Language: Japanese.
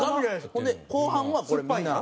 ほんで後半はこれみんな。